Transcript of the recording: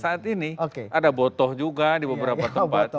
saat ini ada botoh juga di beberapa tempat